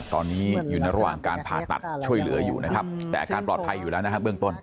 ตอนนี้อยู่ในระหว่างการผ่าตัดช่วยเหลืออยู่นะครับแต่อาการปลอดภัยอยู่แล้วนะครับเบื้องต้น